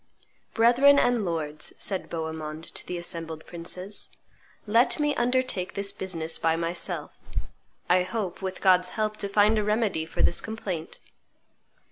"Brethren and lords," said Bohemond to the assembled princes, "let me undertake this business by myself; I hope, with God's help, to find a remedy for this complaint."